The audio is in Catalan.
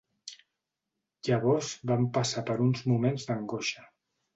Llavors vam passar per uns moments d'angoixa.